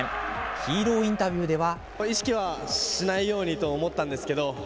ヒーローインタビューでは。